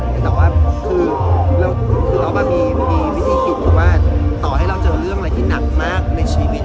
แต่ว่าคือเราก็มีวิธีคิดคือว่าต่อให้เราเจอเรื่องอะไรที่หนักมากในชีวิต